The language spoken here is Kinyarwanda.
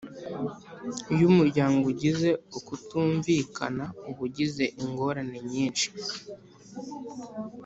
iyo umuryango ugize ukutumvikana uba ugize ingorane nyinshi